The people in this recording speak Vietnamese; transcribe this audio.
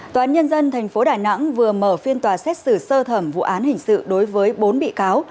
tòa án nhân dân tp đà nẵng vừa mở phiên tòa xét xử sơ thẩm vụ án hình sự đối với bốn bị cáo